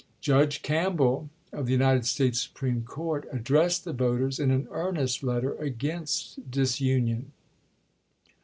Judge Campbell, of the United States Supreme Court, addressed the voters in an earnest letter against disunion.